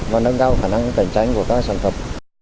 và nâng cao khả năng cạnh tranh của các sản phẩm